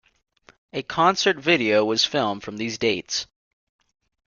A concert video was filmed from these dates.